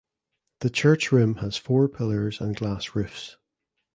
The church room has four pillars and glass roofs.